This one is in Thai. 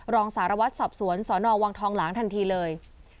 รองสารวัตรสอบสวนสนวังทองหลางทันทีเลย